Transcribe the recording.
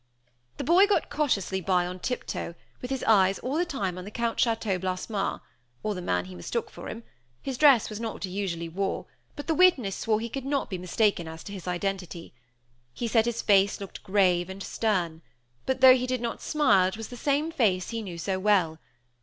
"The boy got cautiously by, on tiptoe, with his eyes all the time on the Count Chateau Blassernare, or the man he mistook for him his dress was not what he usually wore, but the witness swore that he could not be mistaken as to his identity. He said his face looked grave and stern; but though he did not smile, it was the same face he knew so well.